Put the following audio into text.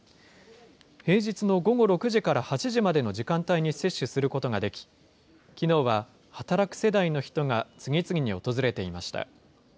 平日の午後６時から８時までの時間帯に接種することができ、きのうは働く世代の人が次々に訪れていました。